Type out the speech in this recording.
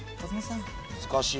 難しい。